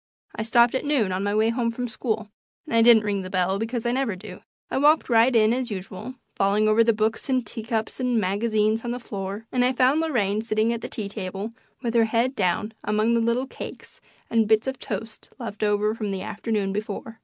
I stopped at noon on my way home from school, and I didn't ring the bell, because I never do. I walked right in as usual, falling over the books and teacups and magazines on the floor, and I found Lorraine sitting at the tea table with her head down among the little cakes and bits of toast left over from the afternoon before.